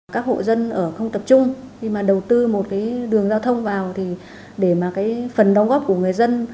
các hộ dân ở không tập trung khi mà đầu tư một cái đường giao thông vào thì để mà cái phần đóng góp của người dân